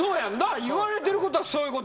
言われてることはそういうことやからな。